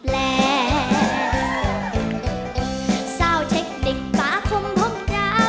น้องเป็นซาวเทคนิคตาคมพมยาว